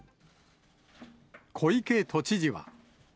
小池都知事は。